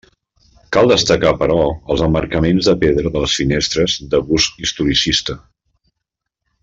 Cal destacar però, els emmarcaments de pedra de les finestres que gust historicista.